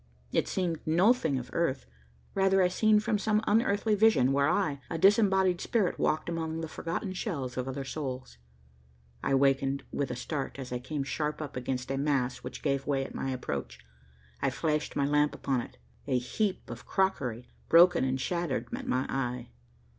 It seemed no thing of earth. Rather a scene from some unearthly vision where I, a disembodied spirit, walked among the forgotten shells of other souls. I wakened with a start, as I came sharp up against a mass which gave way at my approach. I flashed my lamp upon it. A heap of crockery, broken and shattered, met my eye.